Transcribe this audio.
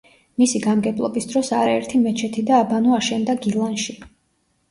მისი გამგებლობის დროს არაერთი მეჩეთი და აბანო აშენდა გილანში.